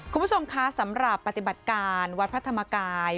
คุณผู้ชมคะสำหรับปฏิบัติการวัดพระธรรมกาย